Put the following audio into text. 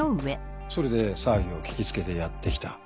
それで騒ぎを聞きつけてやって来た。